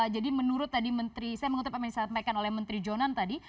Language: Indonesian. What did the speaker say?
jadi menurut tadi menteri saya mengutip apa yang disampaikan oleh menteri jonan tadi